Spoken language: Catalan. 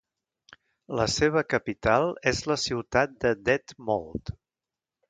La seva capital és la ciutat de Detmold.